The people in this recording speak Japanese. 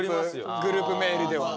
グループメールでは。